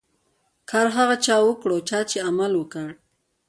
کار هغه چا وکړو، چا چي عمل وکړ.